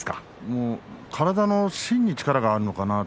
体の芯に力があるのかな？